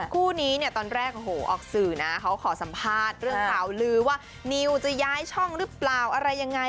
คู่นี้เนี่ยตอนแรกโอ้โหออกสื่อนะเขาขอสัมภาษณ์เรื่องข่าวลือว่านิวจะย้ายช่องหรือเปล่าอะไรยังไง